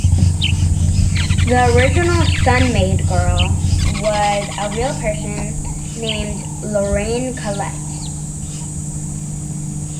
The original "Sun-Maid Girl" was a real person named Lorraine Collett.